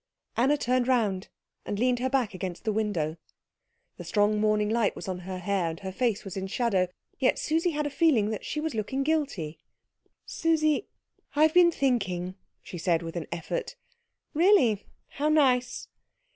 Anna turned round and leaned her back against the window. The strong morning light was on her hair, and her face was in shadow, yet Susie had a feeling that she was looking guilty. "Susie, I've been thinking," she said with an effort. "Really? How nice."